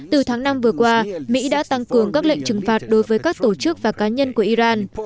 từ tháng năm vừa qua mỹ đã tăng cường các lệnh trừng phạt đối với các tổ chức và cá nhân của iran